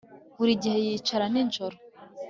Buri gihe yicara nijoro